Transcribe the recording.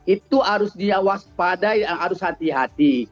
itu harus diawas pada yang harus hati hati